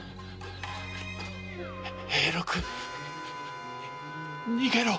兵六逃げろ！